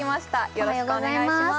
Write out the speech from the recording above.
よろしくお願いします